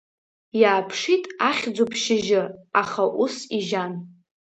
Иааԥшит ахьӡуп шьыжьы, аха ус ижьан…